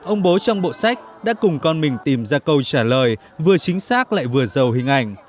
ông bố trong bộ sách đã cùng con mình tìm ra câu trả lời vừa chính xác lại vừa giàu hình ảnh